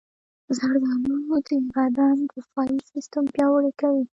زردالو د بدن دفاعي سیستم پیاوړی کوي.